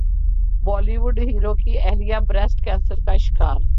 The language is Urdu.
بولی وڈ ہیرو کی اہلیہ بریسٹ کینسر کا شکار